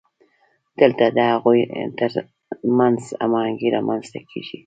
دلته د هغوی ترمنځ هماهنګي رامنځته کیږي.